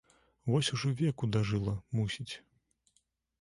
Вось ужо веку дажыла, мусіць.